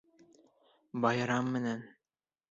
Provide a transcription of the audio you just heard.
Байрам менән!